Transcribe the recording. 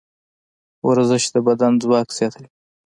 ورزش د بدن ځواک زیاتوي.